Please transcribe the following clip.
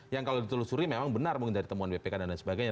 yang kalau ditelusuri memang benar mungkin dari temuan bpk dan lain sebagainya